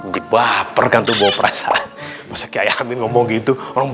dipergantung bau perasaan